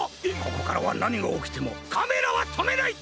ここからはなにがおきてもカメラはとめない！